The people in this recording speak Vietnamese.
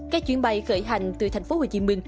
các chuyến bay khởi hành từ tp hcm